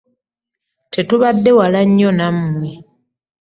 Tetubadde wala nnyo nammwe.